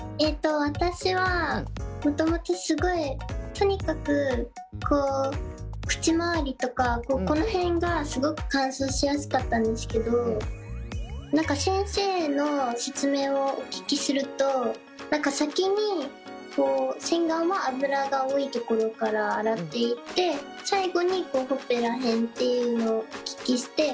私はもともとすごいとにかく口周りとかこの辺がすごく乾燥しやすかったんですけど何か先生の説明をお聞きすると先に洗顔は脂が多いところから洗っていって最後にほっぺら辺っていうのをお聞きして。